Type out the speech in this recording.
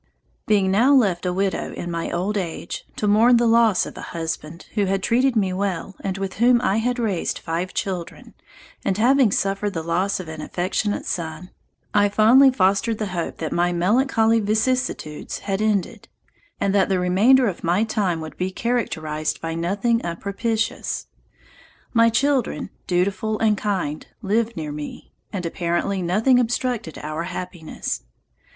Being now left a widow in my old age, to mourn the loss of a husband, who had treated me well and with whom I had raised five children, and having suffered the loss of an affectionate son, I fondly fostered the hope that my melancholy vicissitudes had ended, and that the remainder of my time would be characterized by nothing unpropitious. My children, dutiful and kind, lived near me, and apparently nothing obstructed our happiness.